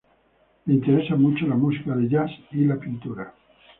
Le interesan mucho la música de jazz y la pintura.